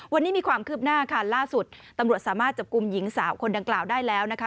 วันนี้มีความคืบหน้าค่ะล่าสุดตำรวจสามารถจับกลุ่มหญิงสาวคนดังกล่าวได้แล้วนะคะ